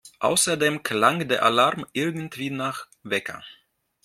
Außerdem klang der Alarm irgendwie nach … Wecker!